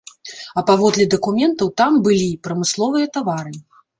А паводле дакументаў, там былі прамысловыя тавары.